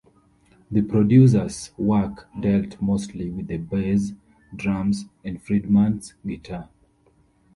The producer's work dealt mostly with the bass, drums and Friedman's guitar.